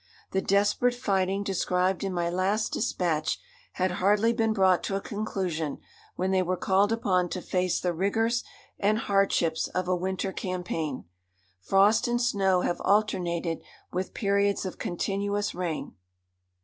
The desperate fighting described in my last dispatch had hardly been brought to a conclusion when they were called upon to face the rigours and hardships of a winter campaign. Frost and snow have alternated with periods of continuous rain."